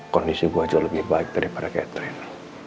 kondisi gue jauh lebih baik daripada catherine